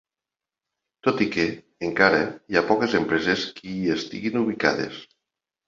Tot i que, encara, hi ha poques empreses que hi estiguin ubicades.